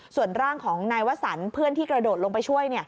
ส่วนร่างของนายวสันเพื่อนที่กระโดดลงไปช่วย